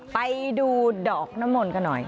ไปดูดอกน้ำมนต์กันหน่อย